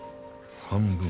半分。